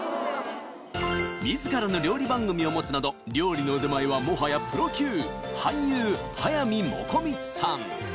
自らの料理番組を持つなど料理の腕前はもはやプロ級俳優速水もこみちさん